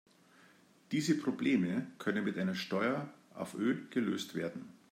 Diese Probleme können mit einer Steuer auf Öl gelöst werden.